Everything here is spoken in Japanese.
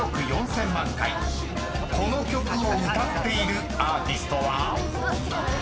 ［この曲を歌っているアーティストは？］